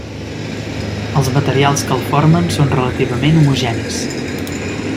Els materials que el formen són relativament homogenis.